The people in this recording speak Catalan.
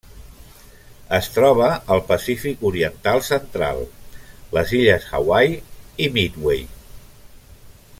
Es troba al Pacífic oriental central: les illes Hawaii i Midway.